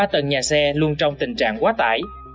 ba tầng nhà xe luôn trong tình trạng quá tải